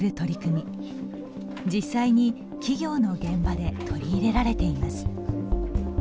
実際に企業の現場で取り入れられています。